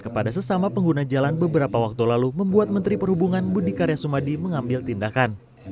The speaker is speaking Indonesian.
kepada sesama pengguna jalan beberapa waktu lalu membuat menteri perhubungan budi karya sumadi mengambil tindakan